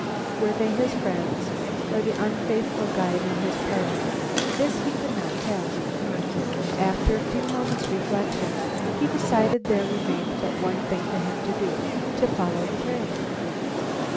Were they his friends, or the unfaithful guide and his party? This he could not tell. After a few moments' reflection he decided that there remained but one thing for him to do: to follow this trail.